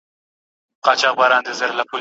لنډۍ په غزل کي، درېیمه برخه